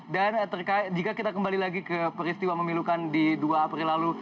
dan jika kita kembali lagi ke peristiwa memilukan di dua april lalu